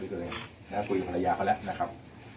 ทุกคนน่ากลุยภรรยาเขาและนะครับ